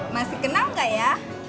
masih kenal gak ya